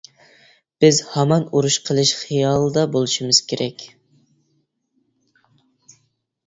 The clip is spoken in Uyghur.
بىز ھامان ئۇرۇش قىلىش خىيالىدا بولۇشىمىز كېرەك.